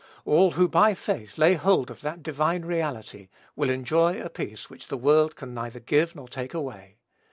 All who by faith lay hold of that divine reality, will enjoy a peace which the world can neither give nor take away.